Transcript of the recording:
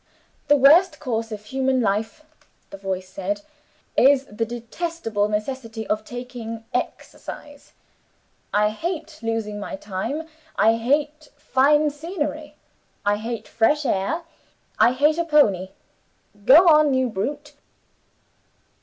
'The worst curse of human life,' the voice said, 'is the detestable necessity of taking exercise. I hate losing my time; I hate fine scenery; I hate fresh air; I hate a pony. Go on, you brute!